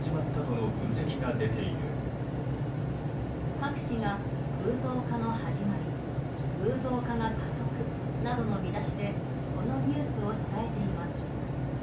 各紙が「偶像化の始まり」「偶像化が加速」などの見出しでこのニュースを伝えています。